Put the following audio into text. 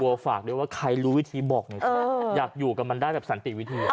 ฝากด้วยว่าใครรู้วิธีบอกเนี่ยอยากอยู่กับมันได้แบบสันติวิธี